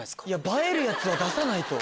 映えるやつは出さないと。